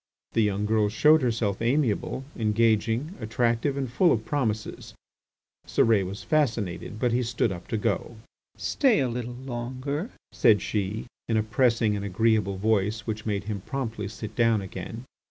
The young girl showed herself amiable, engaging, attractive, and full of promises. Cérès was fascinated, but he stood up to go. "Stay a little longer," said she in a pressing and agreeable voice which made him promptly sit down again.